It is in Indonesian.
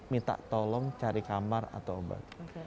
minta tolong cari kamar atau obat